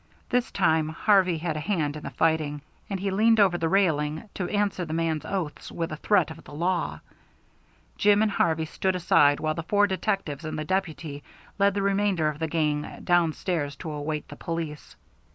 This time Harvey had a hand in the fighting, and he leaned over the railing to answer the man's oaths with a threat of the law. Jim and Harvey stood aside while the four detectives and the deputy led the remainder of the gang downstairs to await the police.